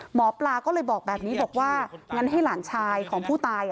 หมอปลาก็เลยบอกแบบนี้บอกว่างั้นให้หลานชายของผู้ตาย